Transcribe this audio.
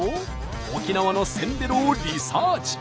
沖縄のせんべろをリサーチ！